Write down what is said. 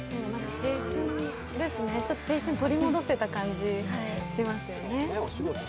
青春ですね、青春を取り戻せた感じがしますよね。